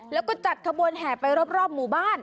แล้วก็จัดขบวนแห่ไปรอบหมู่บ้าน